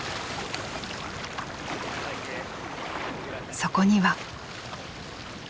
そこには。